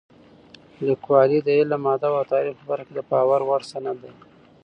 لیکوالی د علم، ادب او تاریخ په برخه کې د باور وړ سند دی.